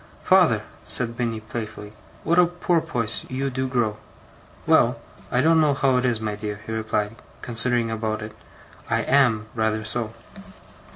'Father!' said Minnie, playfully. 'What a porpoise you do grow!' 'Well, I don't know how it is, my dear,' he replied, considering about it. 'I am rather so.